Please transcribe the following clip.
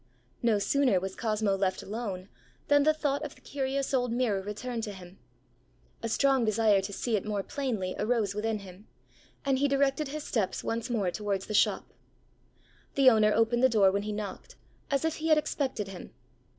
No sooner was Cosmo left alone, than the thought of the curious old mirror returned to him. A strong desire to see it more plainly arose within him, and he directed his steps once more towards the shop. The owner opened the door when he knocked, as if he had expected him.